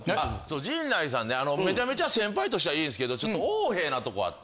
陣内さんねめちゃめちゃ先輩としては良いんですけどちょっと横柄なとこあって。